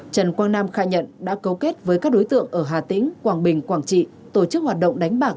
trần quang nam khai nhận đã cấu kết với các đối tượng ở hà tĩnh quảng bình quảng trị tổ chức hoạt động đánh bạc